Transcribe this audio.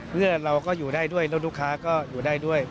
เพื่อเราก็อยู่ได้ด้วยแล้วลูกค้าก็อยู่ได้ด้วย